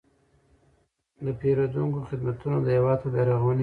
د پیرودونکو خدمتونه د هیواد په بیارغونه کې رول لري.